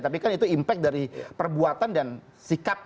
tapi kan itu impact dari perbuatan dan sikap